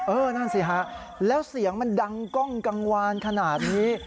นั่นสิฮะแล้วเสียงมันดังกล้องกังวานขนาดนี้